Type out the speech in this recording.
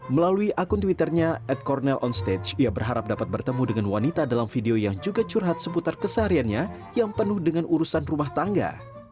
melalui akun twitternya at cornel on stage ia berharap dapat bertemu dengan wanita dalam video yang juga curhat seputar kesehariannya yang penuh dengan urusan rumah tangga